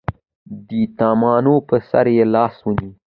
د یتیمانو په سر یې لاس ونیو.